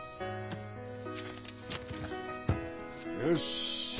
よし！